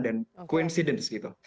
dan kebetulan gitu